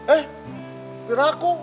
eh biar aku